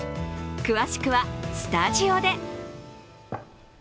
詳しくはスタジオで。